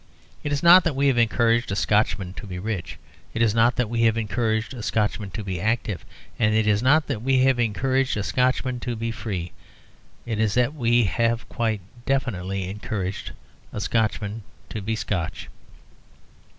It is not that we have encouraged a Scotchman to be rich; it is not that we have encouraged a Scotchman to be active; it is not that we have encouraged a Scotchman to be free. It is that we have quite definitely encouraged a Scotchman to be Scotch.